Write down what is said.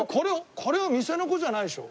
これは店の子じゃないでしょ？